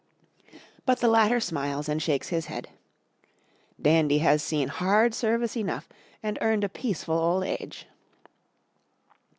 But the latter smiles and shakes his head: "Dandy has seen hard service enough and earned a peaceful old age."